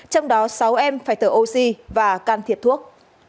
trong đó sáu em phải thở oxy và can thiệp thuốc